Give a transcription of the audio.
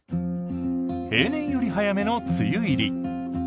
平年より早めの梅雨入り。